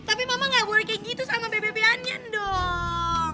tapi mama nggak boleh kayak gitu sama bebek anyan dong